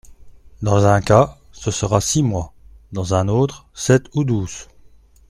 Dans un cas, ce sera six mois ; dans un autre, sept ou douze.